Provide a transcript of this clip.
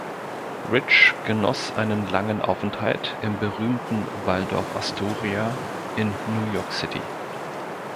Rich genoss einen langen Aufenthalt im berühmten Waldorf-Astoria in New York City.